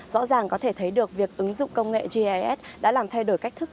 rõ ràng có thể thấy được việc ứng dụng công nghệ gis đã làm thay đổi cách thức